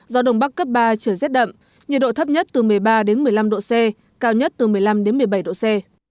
gió đông bắc cấp ba trời rét đậm nhiệt độ thấp nhất từ một mươi ba đến một mươi năm độ c cao nhất từ một mươi năm đến một mươi bảy độ c